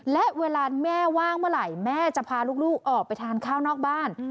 และเวลาแม่ว่างเมื่อไหร่แม่จะพาลูกออกไปทานข้าวนอกบ้าน